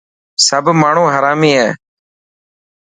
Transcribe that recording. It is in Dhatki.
سب ماڻهو هرامي هي.